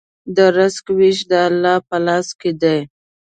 د رزق وېش د الله په لاس کې دی.